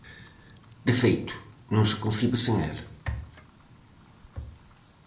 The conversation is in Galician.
De feito, non se concibe sen ela.